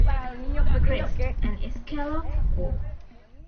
Crest: an escallop, or.